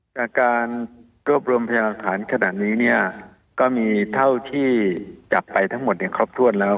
จากการรวบรวมพยาหลักฐานขนาดนี้เนี่ยก็มีเท่าที่จับไปทั้งหมดเนี่ยครบถ้วนแล้ว